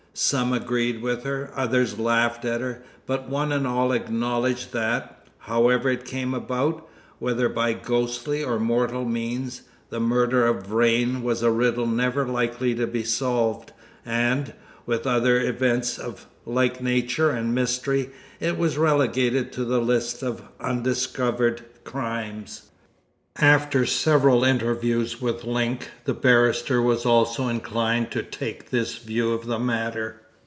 Some agreed with her, others laughed at her; but one and all acknowledged that, however it came about, whether by ghostly or mortal means, the murder of Vrain was a riddle never likely to be solved; and, with other events of a like nature and mystery, it was relegated to the list of undiscovered crimes. After several interviews with Link, the barrister was also inclined to take this view of the matter.